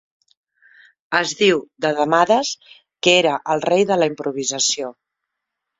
Es diu de Demades que era el rei de la improvisació.